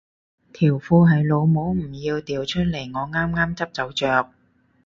條褲係老母唔要掉出嚟我啱啱執走着